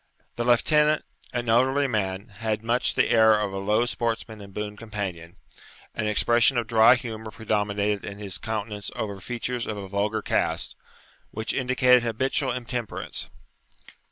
The lieutenant, an elderly man, had much the air of a low sportsman and boon companion; an expression of dry humour predominated in his countenance over features of a vulgar cast, which indicated habitual intemperance.